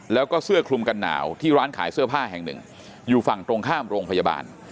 แล้วก็เสื้อคลุมกันหนาวที่ร้านขายเสื้อผ้าแห่งหนึ่งอยู่ฝั่งตรงข้ามโรงพยาบาล